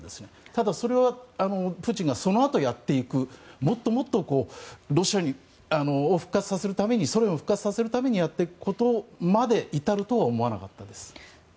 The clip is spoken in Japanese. ただそれはプーチンがそのあとやっていくもっともっとロシアを復活させるためにソ連を復活させるためにやっていくことまで至るとは思わなかったです。